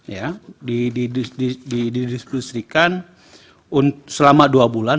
ya didiskusikan selama dua bulan